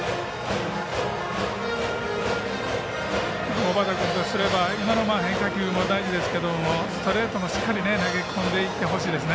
小畠君とすれば今の変化球も大事ですけれどもストレートもしっかり投げ込んでいってほしいですね。